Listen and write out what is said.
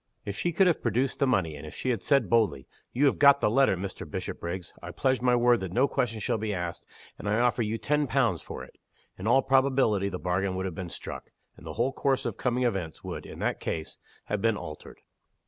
If she could have produced the money; and if she had said, boldly, "You have got the letter, Mr. Bishopriggs: I pledge my word that no questions shall be asked, and I offer you ten pounds for it" in all probability the bargain would have been struck; and the whole course of coming events would, in that case, have been altered.